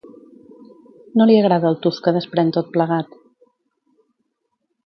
No li agrada el tuf que desprèn tot plegat.